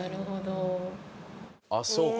あっそうか。